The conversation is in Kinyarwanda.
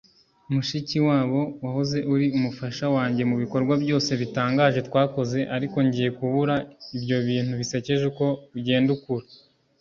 mushikiwabo, wahoze uri umufasha wanjye mubikorwa byose bitangaje twakoze, ariko ngiye kubura ibyo bintu bisekeje uko ugenda ukura